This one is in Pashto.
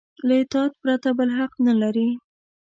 له اطاعت پرته بل حق نه لري.